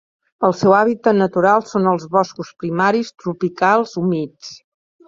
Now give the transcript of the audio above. El seu hàbitat natural són els boscos primaris tropicals humits.